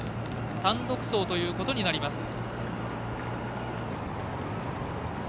単独走ということになります。